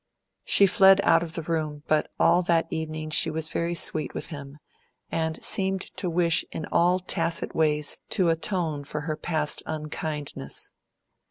She fled out of the room, but all that evening she was very sweet with him, and seemed to wish in all tacit ways to atone for her past unkindness.